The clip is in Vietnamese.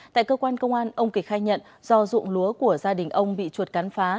tại cơ quan công an ông kịch khai nhận do dụng lúa của gia đình ông bị chuột cắn phá